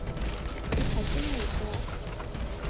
佢頭先嚟過